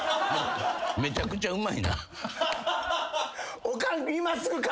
めちゃくちゃうまいな。